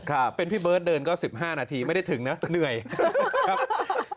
ครับเป็นพี่เบิร์ตเดินก็๑๕นาทีไม่ได้ถึงนะเหนื่อยครับ